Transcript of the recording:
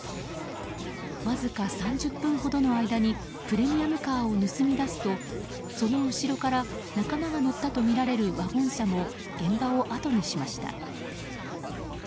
わずか３０分ほどの間にプレミアムカーを盗み出すと、その後ろから仲間が乗ったとみられるワゴン車も現場をあとにしました。